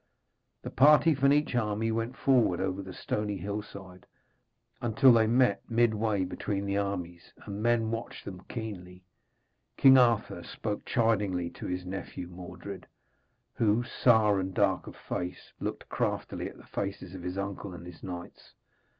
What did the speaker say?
The party from each army went forward over the stony hillside, until they met midway between the armies, and men watched them keenly. King Arthur spoke chidingly to his nephew Mordred, who, sour and dark of face, looked craftily at the faces of his uncle and his knights.